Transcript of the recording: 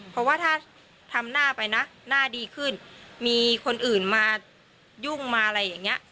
เพราะว่าถ้าทำหน้าไปนะหน้าดีขึ้นมีคนอื่นมายุ่งมาอะไรอย่างนี้